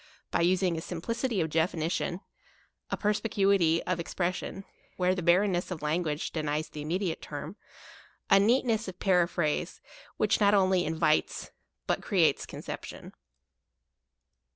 by using a simplicity of definition, a perspi cuity of expression, and, where the barren ness of language denies the immediate term, a neatness of periphrase which not only in vites but creates conception.